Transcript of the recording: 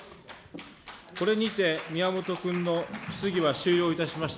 これにて宮本君の質疑は終了いたしました。